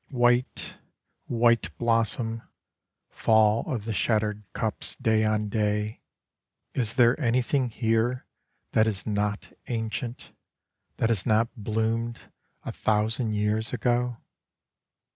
White, white blossom, Fall of the shattered cups day on day: Is there anything here that is not ancient, That has not bloomed a thousand years ago?